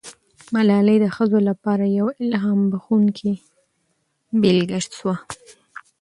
ملالۍ د ښځو لپاره یوه الهام بښونکې بیلګه سوه.